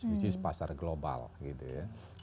which is pasar global gitu ya